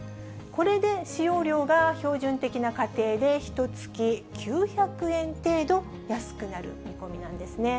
これで使用量が標準的な家庭で、ひとつき９００円程度安くなる見込みなんですね。